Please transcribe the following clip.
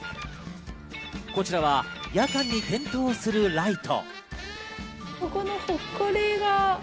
こちらは夜間に点灯するライト。